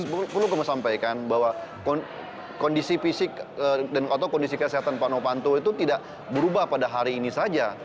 sebut sebut perlu kumusampaikan bahwa kondisi fisik atau kondisi kesehatan pak setianowanto itu tidak berubah pada hari ini saja